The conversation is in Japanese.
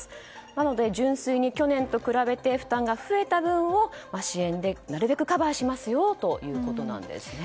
なので純粋に去年と比べて負担が増えた分を支援でなるべくカバーしますよということなんですね。